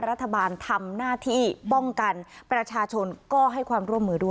รัฐบาลทำหน้าที่ป้องกันประชาชนก็ให้ความร่วมมือด้วย